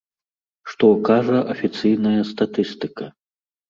Што кажа афіцыйная статыстыка?